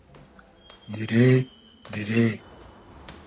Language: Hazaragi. دیرې؟ دیرې؟